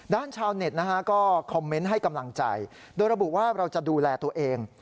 ชาวเน็ตนะฮะก็คอมเมนต์ให้กำลังใจโดยระบุว่าเราจะดูแลตัวเอง